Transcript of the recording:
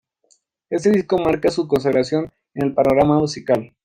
Este disco marca su consagración en el panorama musical.